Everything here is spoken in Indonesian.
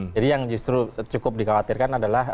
jadi yang justru cukup dikhawatirkan adalah